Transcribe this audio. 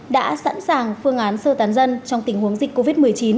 đã sẵn sàng phương án sơ tán dân trong tình huống dịch covid một mươi chín